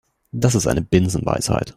Das ist eine Binsenweisheit.